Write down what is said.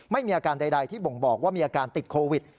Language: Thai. ไม่มีอาการใดที่บ่งบอกว่ามีอาการติดโควิด